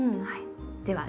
はい。